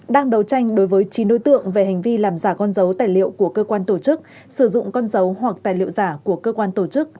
đang đấu tranh đối với chín đối tượng về hành vi làm giả con dấu tài liệu của cơ quan tổ chức sử dụng con dấu hoặc tài liệu giả của cơ quan tổ chức